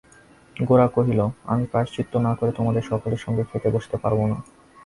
গোরা কহিল, আমি প্রায়শ্চিত্ত না করে তোমাদের সকলের সঙ্গে খেতে বসতে পারব না।